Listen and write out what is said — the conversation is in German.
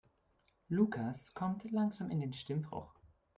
Lukas kommt langsam in den Stimmbruch.